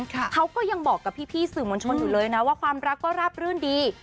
เขาก็ยังบอกกับพี่สื่อมวลชนอยู่เลยนะว่าความรักก็ราบรื่นดี